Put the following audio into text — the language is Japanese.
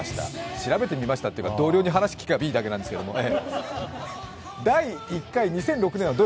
調べてみましたといっても、同僚に話を聞けばいいだけですけどね。